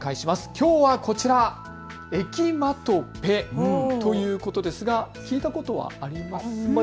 きょうはこちら、エキマトペということですが聞いたことはありますか。